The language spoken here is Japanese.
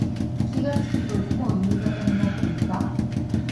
気付くと、もう夕方になっていた。